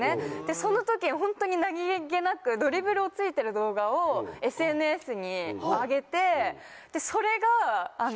その時ホントに何げなくドリブルをついてる動画をＳＮＳに上げて。